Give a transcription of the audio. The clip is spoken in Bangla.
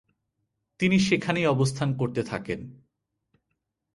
তিনি সেখানেই অবস্থান করতে থাকেন।